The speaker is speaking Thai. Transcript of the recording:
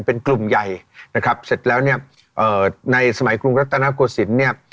เป็นกลุ่มใหญ่นะครับเสร็จแล้วเนี่ยเอ่อในสมัยกรุงรัฐนาโกศิลป์เนี่ย